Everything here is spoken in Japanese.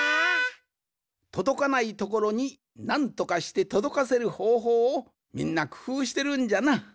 とどかないところになんとかしてとどかせるほうほうをみんなくふうしてるんじゃな。